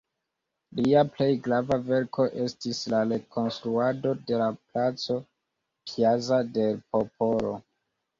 Lia plej grava verko estis la rekonstruado de la placo "Piazza del Popolo".